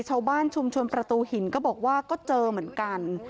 ชาวบ้านชุมชนประตูหินก็บอกว่าก็เจอเหมือนกัน